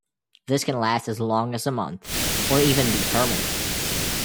This can last as long as a month, or even be permanent.